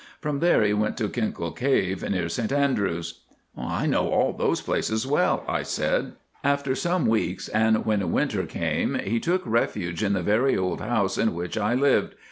From there he went to Kinkell Cave near St Andrews. "I know all those places well," I said. "After some weeks, and when winter came, he took refuge in the very old house in which I lived.